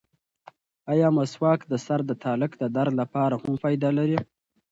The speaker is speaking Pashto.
ایا مسواک د سر د تالک د درد لپاره هم فایده لري؟